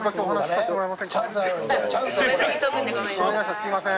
すみません。